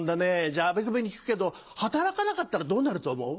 じゃああべこべに聞くけど働かなかったらどうなると思う？